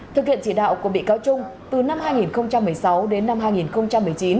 thực hiện chỉ đạo của bị cáo trung từ năm hai nghìn một mươi sáu đến năm hai nghìn một mươi chín